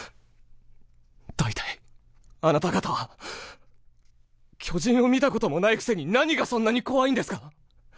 大体あなた方は巨人を見たことも無いクセに何がそんなに怖いんですか？